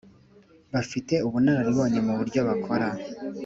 bafite ubunararibonye mubyo bakora